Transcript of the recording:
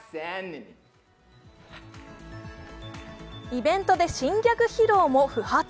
イベントで新逆披露も不発。